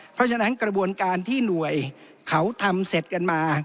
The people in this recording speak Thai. เพราะฉะนั้นกระบวนการที่หน่วยเขาทำเสร็จกันมา